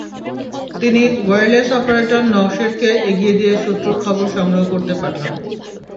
তিনি wireless operator নওশেরকে এগিয়ে গিয়ে শত্রুর খবর সংগ্রহ করতে পাঠান।